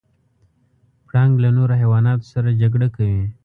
پړانګ له نورو حیواناتو سره جګړه کوي.